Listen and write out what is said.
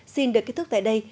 xin được kết thúc tại đây